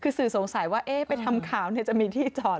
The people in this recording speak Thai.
คือสื่อสงสัยว่าเอ๊ะไปทำข่าวเนี่ยจะมีที่จอดหรือเปล่า